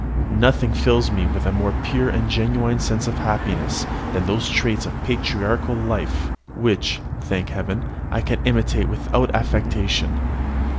Nothing fills me with a more pure and genuine sense of happiness than those traits of patriarchal life which, thank Heaven! I can imitate without affectation.